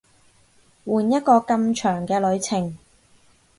換一個咁長嘅旅程